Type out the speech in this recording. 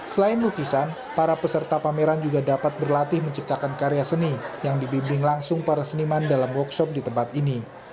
selain lukisan para peserta pameran juga dapat berlatih menciptakan karya seni yang dibimbing langsung para seniman dalam workshop di tempat ini